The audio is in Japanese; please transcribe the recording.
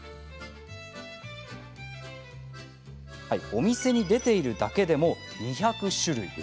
お店に出ているだけでも２００種類。